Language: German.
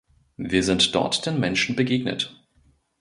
Wir sind dort den Menschen begegnet.